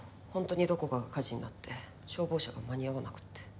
ホントにどこかが火事になって消防車が間に合わなくて。